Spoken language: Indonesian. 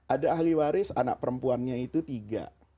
ada ahli waris anak perempuannya itu tiga